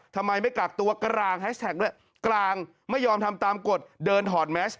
ทำไมไม่กักตัวกลางแฮชแท็กด้วยกลางไม่ยอมทำตามกฎเดินถอดแมส